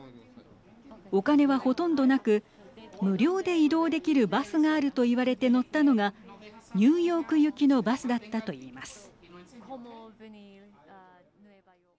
お金は、ほとんどなく無料で移動できるバスがあると言われて乗ったのがニューヨーク行きのバスだったといいます。